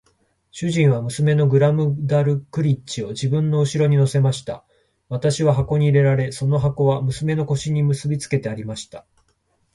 主人は娘のグラムダルクリッチを自分の後に乗せました。私は箱に入れられ、その箱は娘の腰に結びつけてありました。